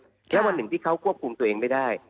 แล้ววันหนึ่งที่เขาควบคุมตัวเองไม่ได้